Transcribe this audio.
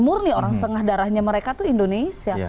murni orang setengah darahnya mereka tuh indonesia